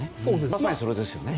まさにそれですよね。